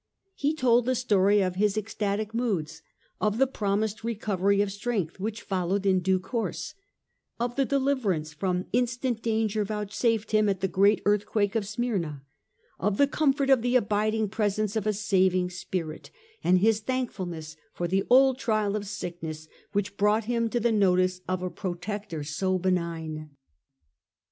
He told the story reveries and of his ecstatic moods, of the promised recovery of strength which followed in due course, of the deliver ance from instant danger vouchsafed to him at the great earthquake of Smyrna, of the comfort of the abiding presence of a saving Spirit, and his thankfulness for the old trial of sickness which brought him to the notice of a protector so oenign.